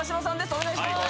お願いします